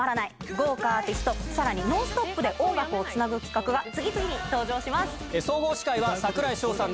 豪華アーティストさらにノンストップで音楽をつなぐ企画が次々に登場します。